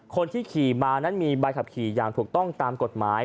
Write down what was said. คนที่ขี่มานั้นมีใบขับขี่อย่างถูกต้องตามกฎหมาย